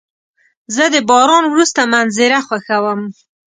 زه د باران وروسته منظره خوښوم.